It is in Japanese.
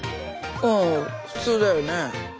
うん普通だよね。